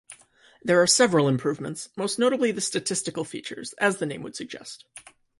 There are several improvements, most notably the statistical features as the name would suggest.